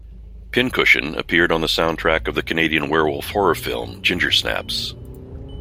"Pin Cushion" appeared on the soundtrack of the Canadian werewolf horror film Ginger Snaps.